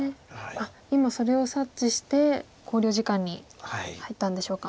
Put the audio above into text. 今それを察知して考慮時間に入ったんでしょうか。